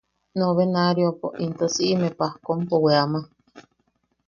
Novenaariopo into siʼime pajkompo weama.